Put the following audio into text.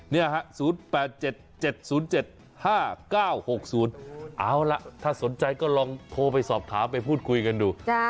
เนี่ยฮะ๐๘๗๗๐๗๕๙๖๐เอาล่ะถ้าสนใจก็ลองโทรไปสอบถามไปพูดคุยกันดู